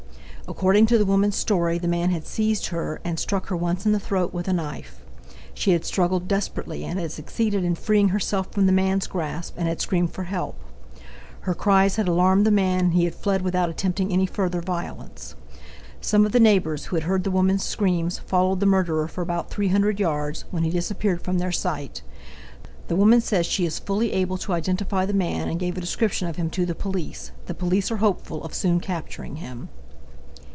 According to the woman's story the man had seized her and struck her once in the throat with a knife. She had struggled desperately and had succeeded in freeing herself from the man's grasp and had screamed for help. Her cries had alarmed the man and he had fled without attempting any further violence. Some of the neighbors, who had heard the woman's screams, followed the murderer for about 300 yards, when he disappeared from their sight. The woman says she is fully able to identify the man and gave a description of him to the police. The police are hopeful of soon capturing him.